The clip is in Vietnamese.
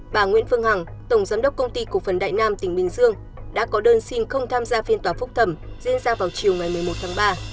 bà nguyễn phương hằng tổng giám đốc công ty cổ phần đại nam tỉnh bình dương đã có đơn xin không tham gia phiên tòa phúc thẩm diễn ra vào chiều ngày một mươi một tháng ba